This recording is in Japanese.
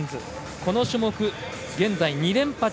この種目、現在２連覇中。